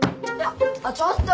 あっちょっと！